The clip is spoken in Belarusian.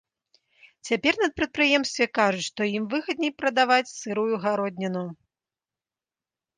Цяпер на прадпрыемстве кажуць, што ім выгадней прадаваць сырую гародніну.